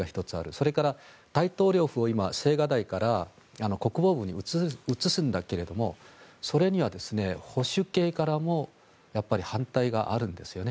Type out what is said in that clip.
それから大統領府を今青瓦台から国防部に移すんだけれどもそれには保守系からもやっぱり反対があるんです。